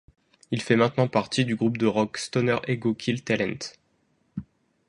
Il fait maintenant partie du groupe de rock stoner Ego Kill Talent.